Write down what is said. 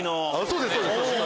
そうですそうです。